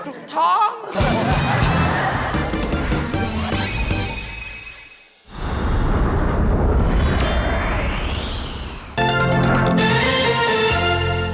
จุกท้อง